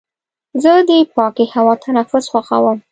زه د پاکې هوا تنفس خوښوم.